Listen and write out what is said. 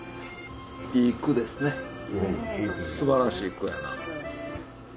いい句ですね素晴らしい句やな。